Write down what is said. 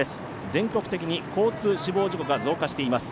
全国的に交通死亡事故が増加しています。